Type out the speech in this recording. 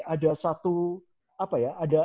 ada satu apa ya